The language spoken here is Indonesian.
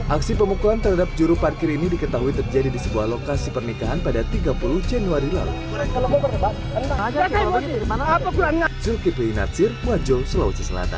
aksi pemukulan terhadap juru parkir ini diketahui terjadi di sebuah lokasi pernikahan pada tiga puluh januari lalu